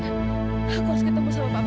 aku harus ketemu sama pak prabu